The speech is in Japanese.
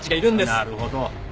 なるほど。